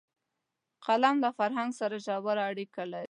قلم له فرهنګ سره ژوره اړیکه لري